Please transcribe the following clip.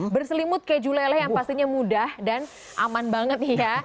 berselimut keju leleh yang pastinya mudah dan aman banget nih ya